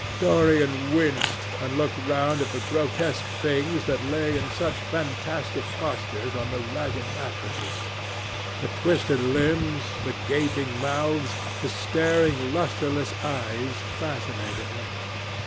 Dorian winced and looked round at the grotesque things that lay in such fantastic postures on the ragged mattresses. The twisted limbs, the gaping mouths, the staring lustreless eyes, fascinated him.